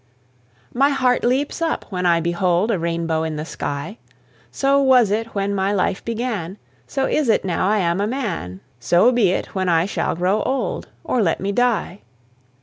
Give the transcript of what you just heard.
My heart leaps up when I behold A rainbow in the sky; So was it when my life began, So is it now I am a man, So be it when I shall grow old, Or let me die!